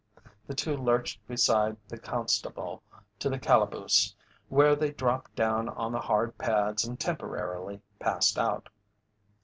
The two lurched beside the constable to the calaboose, where they dropped down on the hard pads and temporarily passed out.